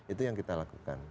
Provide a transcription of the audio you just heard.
itu yang kita lakukan